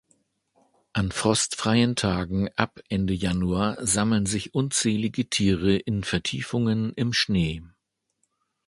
An frostfreien Tagen ab Ende Januar sammeln sich unzählige Tiere in Vertiefungen im Schnee.